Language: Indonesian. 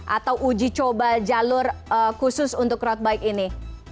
atau uji coba jalur khusus untuk road bike ini